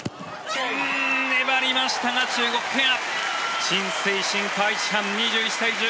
粘りましたが中国ペア。